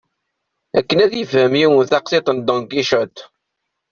Akken ad yefhem yiwen taqsiṭ n Don Kicuṭ.